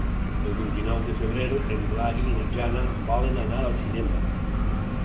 El vint-i-nou de febrer en Blai i na Jana volen anar al cinema.